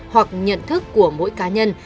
hoặc nhận thức của mỗi cá nhân